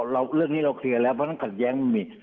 เรื่องนี้เราเคลียร์แล้วเพราะตั้งแต่ยังไม่มี